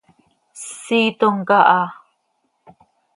Siitom caha.